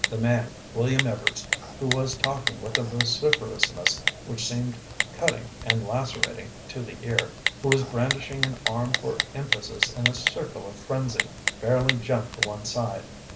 The man, William Evarts, who was talking with a vociferousness which seemed cutting and lacerating to the ear, who was brandishing an arm for emphasis in a circle of frenzy, fairly jumped to one side.